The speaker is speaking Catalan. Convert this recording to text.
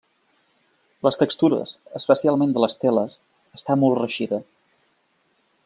Les textures, especialment de les teles, està molt reeixida.